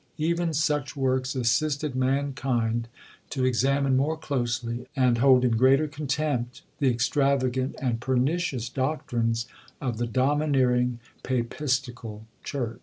Even such works assisted mankind to examine more closely, and hold in greater contempt, the extravagant and pernicious doctrines of the domineering papistical church.